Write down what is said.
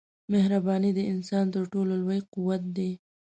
مهرباني د انسان تر ټولو لوی قوت دی.